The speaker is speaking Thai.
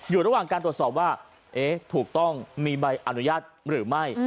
อยู่ระหว่างการตรวจสอบว่าเอ๊ะถูกต้องมีใบอนุญาตหรือไม่